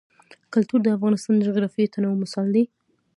کلتور د افغانستان د جغرافیوي تنوع مثال دی.